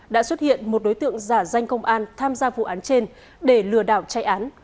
đã xuất hiện một đối tượng giả danh công an tham gia vụ án trên để lừa đảo chạy án